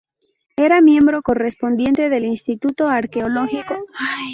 Era miembro correspondiente del Instituto Arqueológico Alemán y de otras instituciones.